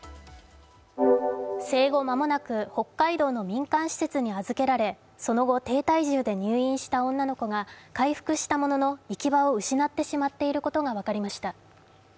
生後間もなく北海道の民間施設に預けられ、その後、低体重で入院した女の子が回復したものの行き場を失ってしまっていることが分かりました。